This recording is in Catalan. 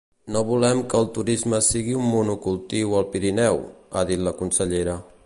No volem que el turisme sigui un monocultiu al Pirineu, ha dit la consellera.